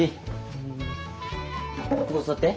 うんここ座って。